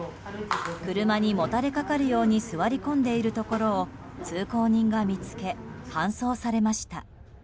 車にもたれかかるように座り込んでいるところを通行人が見つけ搬送されました。